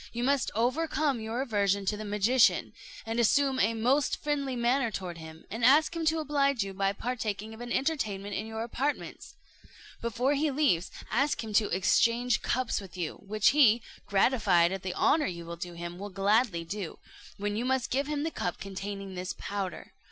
You must overcome your aversion to the magician, and assume a most friendly manner toward him, and ask him to oblige you by partaking of an entertainment in your apartments. Before he leaves, ask him to exchange cups with you, which he, gratified at the honour you do him, will gladly do, when you must give him the cup containing this powder.